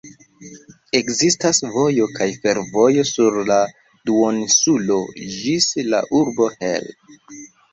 Ekzistas vojo kaj fervojo sur la duoninsulo ĝis la urbo Hel.